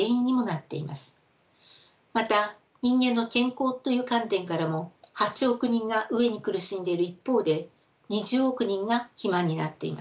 また人間の健康という観点からも８億人が飢えに苦しんでいる一方で２０億人が肥満になっています。